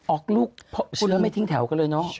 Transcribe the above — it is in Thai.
ออกลูกไม่ทิ้งแถวกันเลยเนอะ